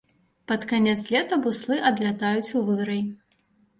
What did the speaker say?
Пад канец лета буслы адлятаюць у вырай.